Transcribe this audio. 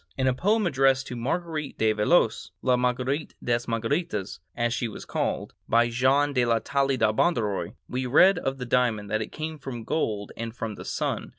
In a poem addressed to Marguerite de Valois,—"La Marguerite des Marguerites," as she was called,—by Jean de la Taille de Bondaroy, we read of the diamond that it came from gold and from the sun.